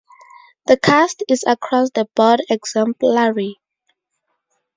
The cast is across-the-board exemplary.